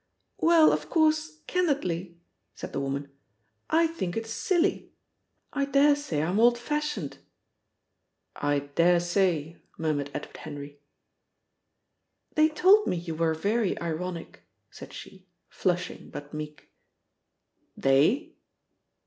"Well, of course candidly," said the woman, "I think it's silly. I dare say I'm old fashioned." "I dare say," murmured Edward Henry. "They told me you were very ironic," said she, flushing but meek. "They!"